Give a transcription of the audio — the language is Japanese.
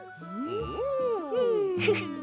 フフッ。